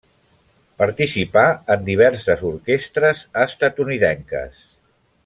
Participà en diverses orquestres estatunidenques.